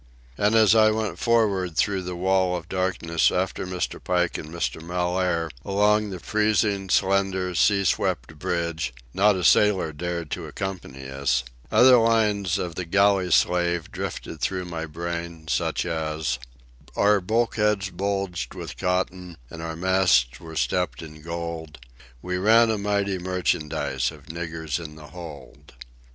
And as I went for'ard through the wall of darkness after Mr. Pike and Mr. Mellaire along the freezing, slender, sea swept bridge—not a sailor dared to accompany us—other lines of "The Galley Slave" drifted through my brain, such as: "Our bulkheads bulged with cotton and our masts were stepped in gold— We ran a mighty merchandise of niggers in the hold.